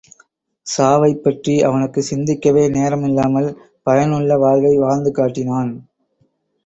சாவைப்பற்றி அவனுக்குச் சிந்திக்கவே நேரம் இல்லாமல் பயனுள்ள வாழ்வை வாழ்ந்து காட்டினான்.